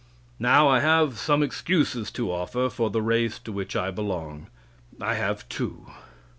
Now, I have some excuses to offer for the race to which I belong. I have two.